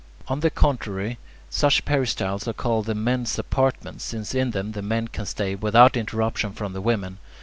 On the contrary, such peristyles are called the men's apartments, since in them the men can stay without interruption from the women.